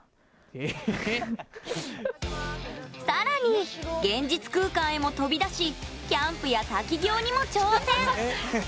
更に現実空間へも飛び出しキャンプや滝行にも挑戦。